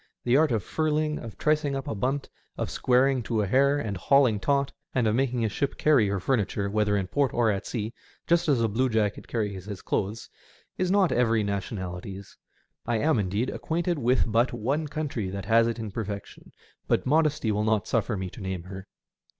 The art of furling, of tricing up a bunt, or squaring to a hair, of hauling taut, and of making a ship carry her furniture, whether in port or at sea, just as a bluejacket carries his clothes, is not every nation ality's. I am, indeed, acquainted with but one country that has it in perfection ; but modesty will not suffer me to name her.